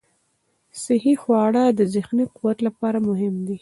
صحي خواړه د ذهني قوت لپاره مهم دي.